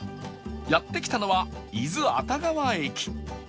やって来たのは伊豆熱川駅